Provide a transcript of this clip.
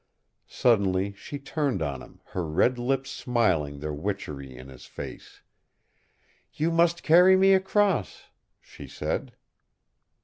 Suddenly she turned on him, her red lips smiling their witchery in his face. "You must carry me across," she said.